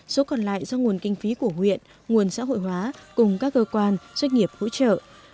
số còn lại do nguồn kinh phí của huyện nguồn xã hội hóa cùng các cơ quan doanh nghiệp hỗ trợ